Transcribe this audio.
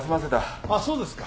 あっそうですか。